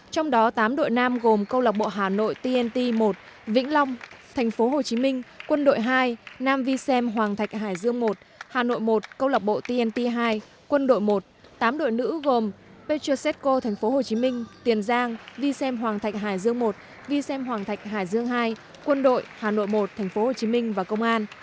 trong đó tám đội nam gồm câu lạc bộ hà nội tnt một vĩnh long tp hcm quân đội hai nam vi xem hoàng thạch hải dương một hà nội một câu lạc bộ tnt hai quân đội một tám đội nữ gồm petroseco tp hcm tiền giang vi xem hoàng thạch hải dương một vi xem hoàng thạch hải dương hai quân đội hà nội một tp hcm và công an